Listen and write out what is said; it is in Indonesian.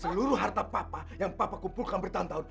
seluruh harta papa yang papa kumpulkan bertahun tahun